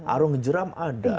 arung jeram ada